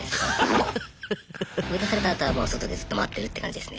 追い出されたあとはもう外でずっと待ってるって感じですね。